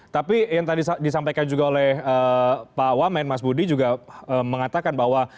tapi yang tadi disampaikan juga oleh pak wamen mas budi juga mengatakan bahwa